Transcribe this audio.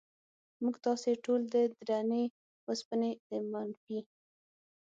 موږ تاسې ټول د درنې وسپنې د منفي